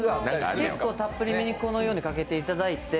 結構たっぷりめにこのようにかけていただいて。